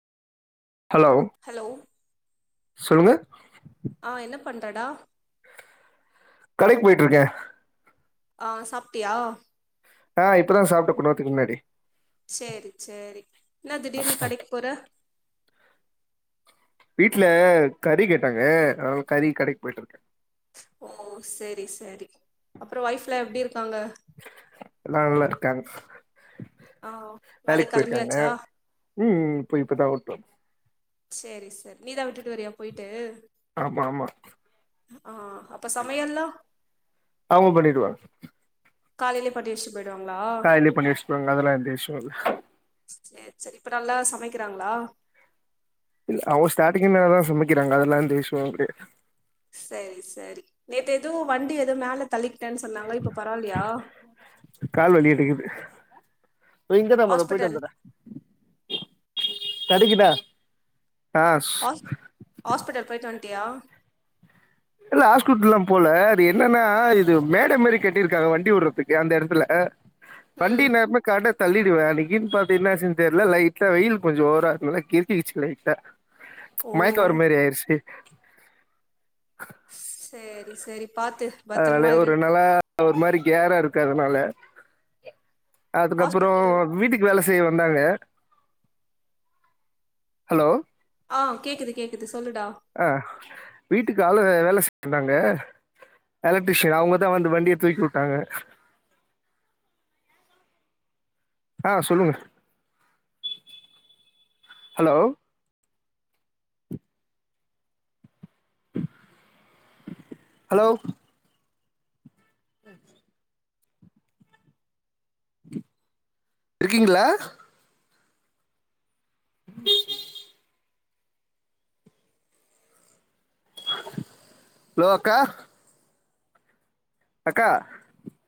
hello hello சொல்லு தடா கடைக் போய்ட்ருகே ஆ சாப்ட்டியா ஆ இப்பதான் சாப்ட்ட கொன் நேர்த்துக்கு முன்னாடி சேரி சேரி ன்ன திடீர்னு கடைக்கு போற வீட்ல கறி கேட்டாங்க அனால கறி கடைக் போய்ட்டிருக்கே ஓ செரி செரி அப்புறோ ஒய்ஃப்லா எப்டி இரு எல்லா நல்லா இருக்காங் ஆ வேலைக் கெளமியாச்சா ம் ம் போய் இப்பதா உட்டு சேரி செர் நீதான் விட்டுட்டு வரியா போய்ட்டு ஆமாம்மா ஆ அப்ப சமையல்லா அவங்க பண்ணிடுவாங்க காலேலே பண்ணி வஸ்ஸு கால்லே பண்ணி வஸ்க்குவாங் அதெல்லா எந்த இஷு இல்ல சரி இப்ப நல்லா சமைக்குறாங்ளா இல்ல அவுங்க ஸ்டாடிங்கே நல்லாதா சமைக்கிறாங்க அதெல்லா எந்த இஷுவு கெட சரி சரி நேத்து எதூ வண்டி எதோ மேல தள்ளி தன் சொன்னாங்க இப்ப பரவாலியா இங்கதா மது போய்ட்டு வந்துர்ற கடைக்கிதா ஆஸ் ஆஸ்பிட்டல் பேய்ட்டு வன்ட்டியா இல்ல ஆஸ்குட்டல்லா போல அது என்னன்னா இது மேட மாரி கட்டியிருக்காங்க வண்டி உடுறதுக்கு அந்த எடத்துல அ வண்டி ம் நேர்ம கட தள்ளிடுவே அன்னிக்கின் பாத்தீங்னா என்னாச்சு தெர்ல லைட்ல வெயில் கொஞ்சோ ஓவரா இருந்தனால கிரிக்கிக்கிச்சு லைட்டா மயோக்க வர ஓ மாரி ஆயிடுச்சு சேரி சேரி பாத்து அதனால பத்திரமா இரு ஒரு நல்லா ஒரு மாரி கேராருக்கு அதனால அதுக்கப்புறோ ஹாஸ்பிட்டல் வீட்டுக்கு வேல செய்யவ ந்தாங்க ஹலோ ஆ கேக்குது கேக்குது சொல்லுடா அ வீட்டுக்கு அளவு வேல செய்ய வந்தாங்க எலக்ட்ரிஷியன் அவங்கதா வந்து வண்டியே தூக்கி உட்டாங்க அ ஆ சொல்லுங்க ஹலோ அலோ ம் இருக்கீங்ளா [inaudible] லோ அக்கா அக்கா